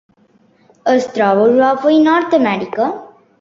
Es troba a Europa i Nord-amèrica.